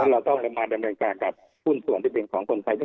เราต้องมาดำเนินการกับหุ้นส่วนที่เป็นของคนไทย